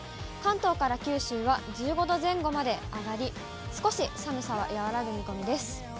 関東から九州は１５度前後まで上がり、少し寒さは和らぐ見込みです。